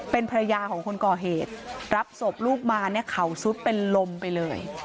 เป็นภรรยาของคนก่อเหตุรับศพลูกมาเนี่ยเขาซุดเป็นลมไปเลย